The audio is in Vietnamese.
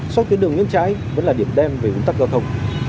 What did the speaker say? sót tuyến đường ngang trái vẫn là điểm đen về huấn tắc giao thông